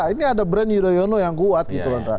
ini ada brand yudhoyono yang kuat gitu loh